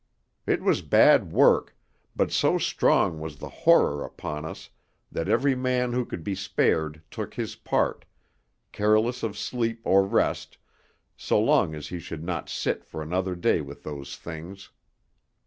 It was bad work, but so strong was the horror upon us that every man who could be spared took his part, careless of sleep or rest, so long as he should not sit for another day with those things.